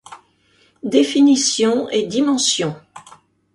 Définition et dimensions.